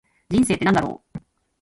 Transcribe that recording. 人生って何だろう。